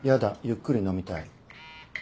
ゆっくり飲みたい。